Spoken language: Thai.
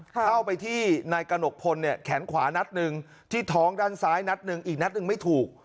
เข้าไปที่นายกระหนกพลเนี่ยแขนขวานัดหนึ่งที่ท้องด้านซ้ายนัดหนึ่งอีกนัดหนึ่งไม่ถูก